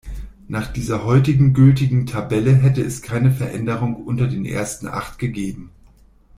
Nach dieser heute gültigen Tabelle hätte es keine Veränderungen unter den ersten Acht gegeben.